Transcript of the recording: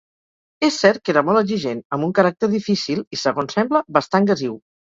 És cert que era molt exigent, amb un caràcter difícil i, segons sembla, bastant gasiu.